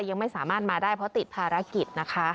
ยังไม่สามารถมาได้เพราะติดภารกิจนะคะ